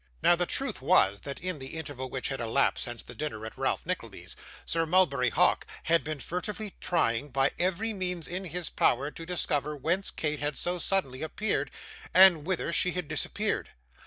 Now, the truth was, that in the interval which had elapsed since the dinner at Ralph Nickleby's, Sir Mulberry Hawk had been furtively trying by every means in his power to discover whence Kate had so suddenly appeared, and whither she had disappeared.